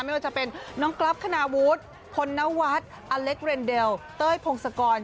ไม่ว่าจะเป็นน้องกรัฟคณาวุฒิพลนวัฒน์อเล็กเรนเดลเต้ยพงศกร